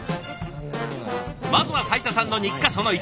まずは斉田さんの日課その１。